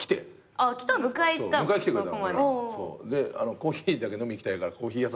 コーヒーだけ飲みに行きたいからコーヒー屋さん連れてってくれ。